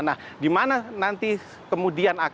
nah di mana nanti kemudian akan